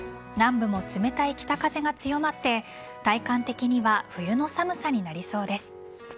南部も冷たい北風が強まって体感的には冬の寒さになりそうです。